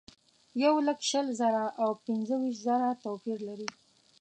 یولک شل زره او پنځه ویشت زره توپیر لري.